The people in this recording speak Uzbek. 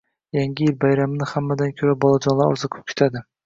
Yangi yil bayramini hammadan ko`ra bolajonlar orziqib kutadi